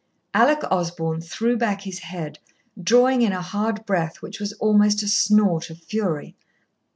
Alec Osborn threw back his head, drawing in a hard breath which was almost a snort of fury.